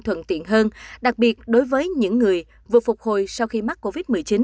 tốt hơn đặc biệt đối với những người vượt phục hồi sau khi mắc covid một mươi chín